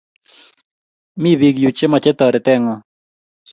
mi biik yuu chemache toretengung